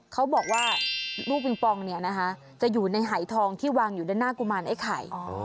เขาบอกว่าลูกปิงปองเนี่ยนะคะจะอยู่ในหายทองที่วางอยู่ด้านหน้ากุมารไอ้ไข่